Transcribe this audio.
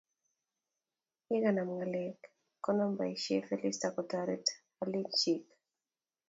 Ye kanam ng'alek Konam boisie Felista kotoret aliik chiik.